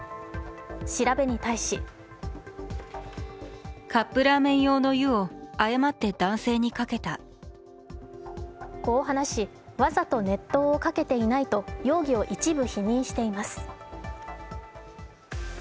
調べに対しこう話し、わざと熱湯をかけていないと、容疑を一部否認しています。